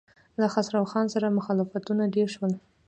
له خسرو خان سره مخالفتونه ډېر شول.